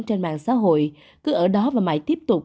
trên mạng xã hội cứ ở đó và mãi tiếp tục